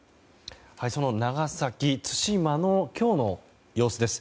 その長崎・対馬の今日の様子です。